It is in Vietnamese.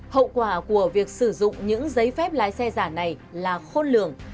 hậu quả của việc sử dụng những giấy phép lái xe giả này là khôn lường